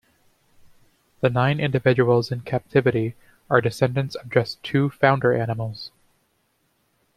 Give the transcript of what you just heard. The nine individuals in captivity are descendants of just two founder animals.